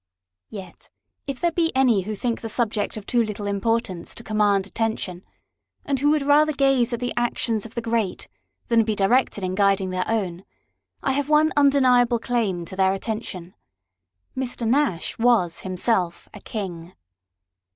Yet, if there be any who think the subject of too little importance to command attention, and who would rather gaze at the actions of the great, than be directed in guiding their own, I have one undeniable claim to their attention. Mr. Nash was himself a King.